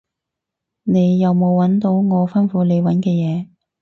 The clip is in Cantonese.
你有冇搵到我吩咐你搵嘅嘢？